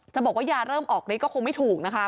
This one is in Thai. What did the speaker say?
บอกว่ายาเริ่มออกฤทธิก็คงไม่ถูกนะคะ